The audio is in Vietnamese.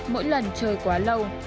mỗi lần chơi quá lâu